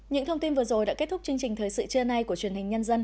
những thông tin vừa rồi đã kết thúc chương trình thời sự trưa nay của truyền hình